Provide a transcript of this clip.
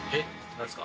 何ですか？